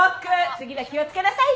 次は気を付けなさいよ。